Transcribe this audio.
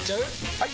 ・はい！